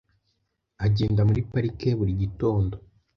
Agenda muri parike buri gitondo .